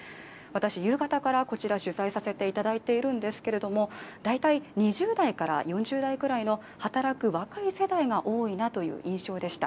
私、夕方からこちら、取材させていただいているんですけれども、大体２０代から４０代くらいの働く若い世代が多いなという印象でした。